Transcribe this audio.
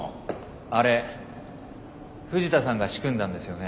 あれ藤田さんが仕組んだんですよね？